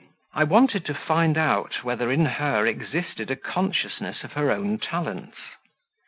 I wanted to find out whether in her existed a consciousness of her own talents.